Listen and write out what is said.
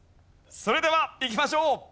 それではいきましょう。